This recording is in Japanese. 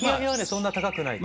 そんな高くない。